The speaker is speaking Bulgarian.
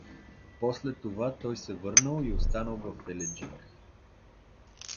После това той се върнал и останал в Еледжик.